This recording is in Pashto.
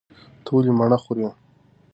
ته ولې مڼه خورې؟